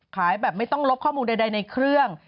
ขายแบบไม่ต้องลบข้อมูลใดในเครื่อง